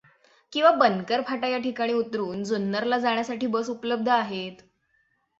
किंवा बनकर फाटा या ठिकाणी उतरून जुन्नरला जाण्यासाठी बस उपलब्ध आहेत.